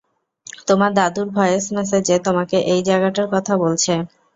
তোমার দাদুর ভয়েস মেসেজে তোমাকে এই জায়গাটার কথা বলছে।